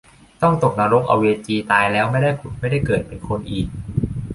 ต้องตกนรกอเวจีตายแล้วไม่ได้ผุดไม่ได้เกิดเป็นคนอีก